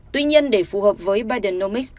tuy nhiên để phù hợp với bidenomics